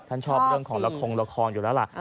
ชอบเรื่องของละครละครอยู่แล้วล่ะ